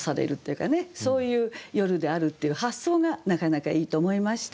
そういう夜であるっていう発想がなかなかいいと思いました。